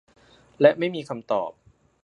และไม่มีคำตอบ